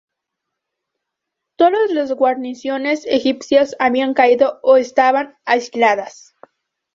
Todas las guarniciones egipcias habían caído o estaban aisladas.